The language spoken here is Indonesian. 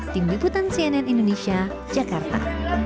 tim liputan cnn indonesia jakarta